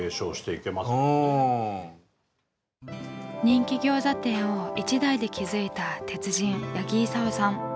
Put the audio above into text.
人気餃子店を一代で築いた鉄人八木功さん。